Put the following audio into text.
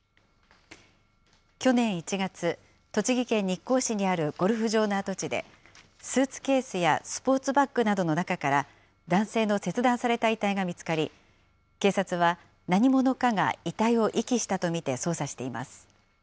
去年１月、栃木県日光市にあるゴルフ場の跡地で、スーツケースやスポーツバッグなどの中から男性の切断された遺体が見つかり、警察は、何者かが遺体を遺棄したと見て、捜査しています。